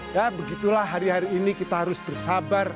ya begitulah hari hari ini kita harus bersabar